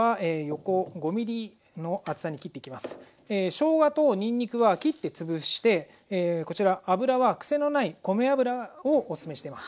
しょうがとにんにくは切って潰してこちら油は癖のない米油をおすすめしています。